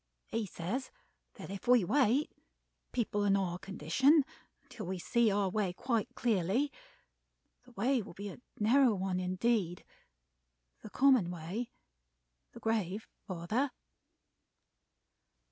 He says that if we wait, people in our condition, until we see our way quite clearly, the way will be a narrow one indeed the common way the Grave, father."